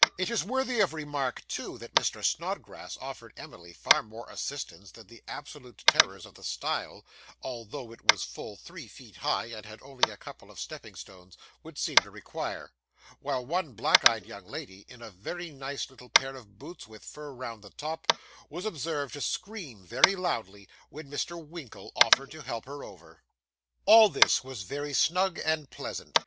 It is worthy of remark, too, that Mr. Snodgrass offered Emily far more assistance than the absolute terrors of the stile (although it was full three feet high, and had only a couple of stepping stones) would seem to require; while one black eyed young lady in a very nice little pair of boots with fur round the top, was observed to scream very loudly, when Mr. Winkle offered to help her over. All this was very snug and pleasant.